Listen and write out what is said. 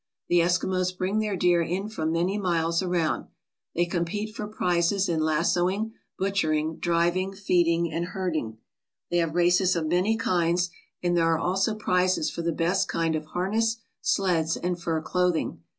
, The Eskimos bring their deer in from many miles around. They compete for prizes in lassoing, butchering, driving, feeding, and herding. They have races of many kinds, and there are also prizes for the best kind of harness, sleds, and fur clothing.